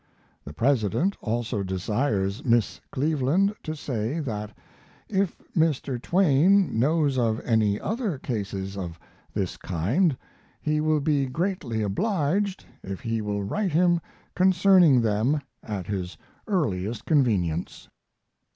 The President also desires Miss Cleveland to say that if Mr. Twain knows of any other cases of this kind he will be greatly obliged if he will write him concerning them at his earliest convenience.